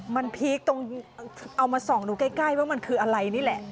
มันพีคตรงเอามาส่องดูใกล้ว่ามันคืออะไรนี่แหละ